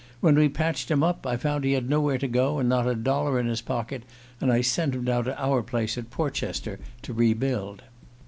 When we'd patched him up I found he had nowhere to go, and not a dollar in his pocket, and I sent him down to our place at Portchester to re build."